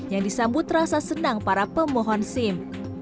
yang disambut rasa senang para pemohon sim